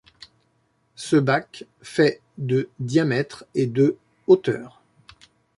Ce bac fait de diamètre et de hauteur.